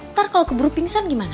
ntar kalau keburu pingsan gimana